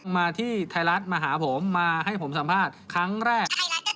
มาที่ไทยรัฐมาหาผมมาให้ผมสัมภาษณ์ครั้งแรก